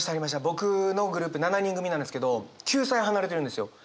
僕のグループ７人組なんですけど９歳離れてるんですよ。